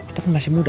kita kan masih muda